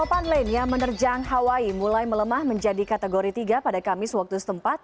topan lainnya menerjang hawaii mulai melemah menjadi kategori tiga pada kamis waktu setempat